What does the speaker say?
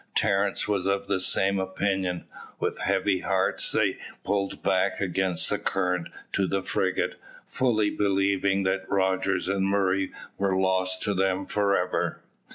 Terence was of the same opinion. With heavy hearts they pulled back against the current to the frigate, fully believing that Rogers and Murray were lost to them for ever.